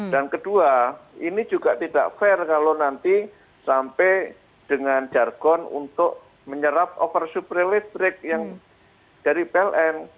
dan kedua ini juga tidak fair kalau nanti sampai dengan jargon untuk menyerap oversupply listrik yang dari pln